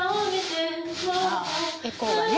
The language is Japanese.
あエコーがね。